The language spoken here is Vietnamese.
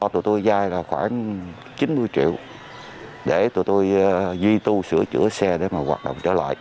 tụi tôi dài là khoảng chín mươi triệu để tụi tôi duy tu sửa chữa xe để mà hoạt động trở lại